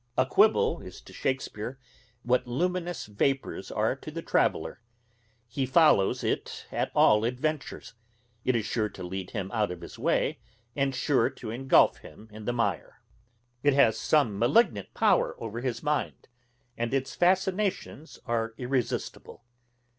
A quibble is to Shakespeare, what luminous vapours are to the traveller; he follows it at all adventures; it is sure to lead him out of his way, and sure to engulf him in the mire. It has some malignant power over his mind, and its fascinations are irresistible.